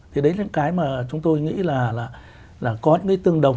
thì đấy là những cái mà chúng tôi nghĩ là có những cái tương đồng